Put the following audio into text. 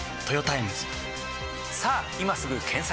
さぁ今すぐ検索！